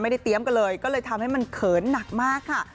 เตรียมกันเลยก็เลยทำให้มันเขินหนักมากค่ะ